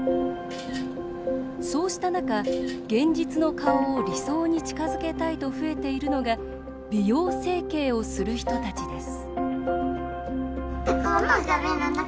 そうした中、現実の顔を理想に近づけたいと増えているのが美容整形をする人たちです。